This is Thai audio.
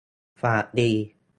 ฝากรี